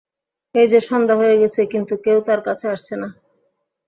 এই যে সন্ধ্যা হয়ে গেছে, কিন্তু কেউ তার কাছে আসছে না।